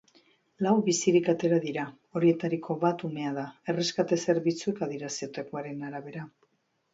Lau bizirik atera dira, horietariko bat umea da, erreskate-zerbitzuek adierazitakoaren arabera.